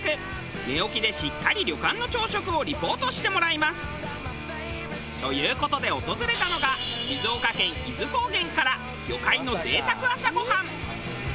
寝起きでしっかり旅館の朝食をリポートしてもらいます。という事で訪れたのが静岡県伊豆高原から魚介の贅沢朝ごはん。